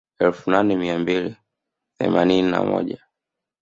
Elfu nane mia mbili themanini na moja